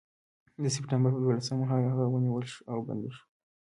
د سپټمبر پر دولسمه هغه ونیول شو او بندي شو.